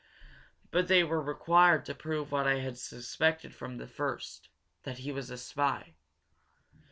"But they were required to prove what I had suspected almost from the first that he was a spy.